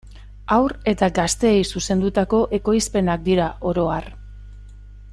Haur eta gazteei zuzendutako ekoizpenak dira oro har.